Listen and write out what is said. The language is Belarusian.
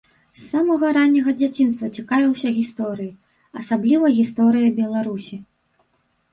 З самага ранняга дзяцінства цікавіўся гісторыяй, асабліва гісторыяй Беларусі.